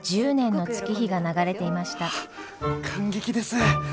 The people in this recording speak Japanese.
感激です！